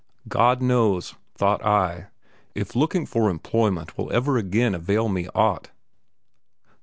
God knows, thought I, if looking for employment will ever again avail me aught.